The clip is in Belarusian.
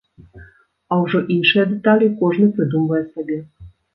А ўжо іншыя дэталі кожны прыдумвае сабе.